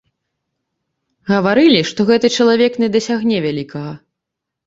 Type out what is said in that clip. Гаварылі, што гэты чалавек не дасягне вялікага.